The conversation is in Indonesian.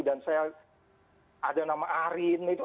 dan saya ada nama arin itu